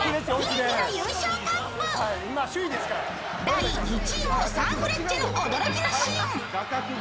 第１位もサンフレッチェの驚きのシーン。